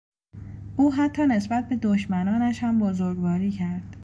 او حتی نسبت به دشمنانش هم بزرگواری کرد.